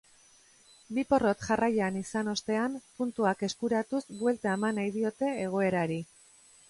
Bi porrot jarraian izan ostean puntuak eskuratuz buelta eman nahi diote egoerari.